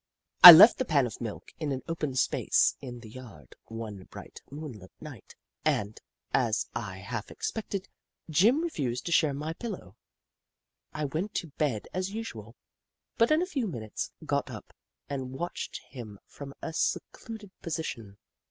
I left the pan of milk in an open space in the yard one bright moonlight night, and, as I half expected, Jim refused to share my pillow. I went to bed as usual, but in a few minutes got up and watched him from a secluded position.